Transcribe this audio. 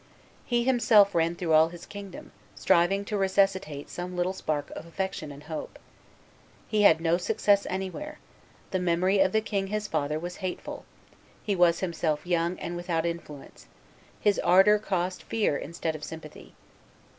He himself ran through all his kingdom, striving to resuscitate some little spark of affection and hope. He had no success anywhere; the memory of the king his father was hateful; he was himself young and without influence; his ardor caused fear instead of sympathy.